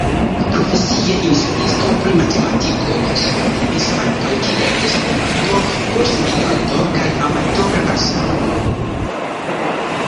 Profesie instruisto pri matematiko, ŝi aktivis ankaŭ kiel Esperanto-kursgvidanto kaj amatora astronomo.